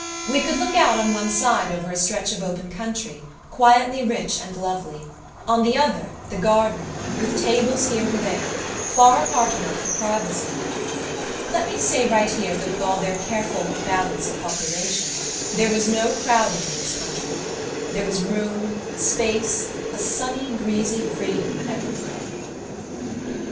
We could look out on one side over a stretch of open country, quietly rich and lovely; on the other, the garden, with tables here and there, far apart enough for privacy. Let me say right here that with all their careful "balance of population" there was no crowding in this country. There was room, space, a sunny breezy freedom everywhere.